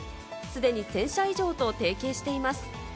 既に１０００社以上と提携しています。